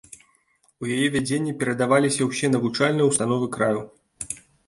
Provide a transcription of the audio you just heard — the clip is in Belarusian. У яе вядзенне перадаваліся ўсе навучальныя ўстановы краю.